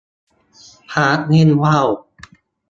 พระเล่นว่าว